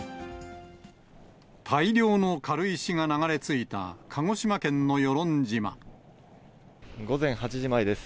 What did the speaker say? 大量の軽石が流れ着いた鹿児午前８時前です。